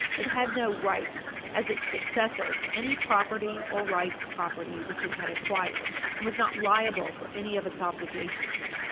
It had no right, as its successor, to any property or rights of property which it had acquired, and was not liable for any of its obligations.